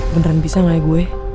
beneran bisa gak ya gue